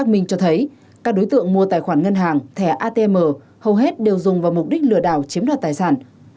tôi thấy các đối tượng mua tài khoản ngân hàng thẻ atm hầu hết đều dùng vào mục đích lừa đảo chiếm đoạt tài sản